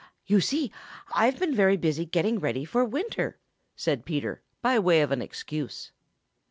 "You see, I've been very busy getting ready for winter," said Peter, by way of an excuse.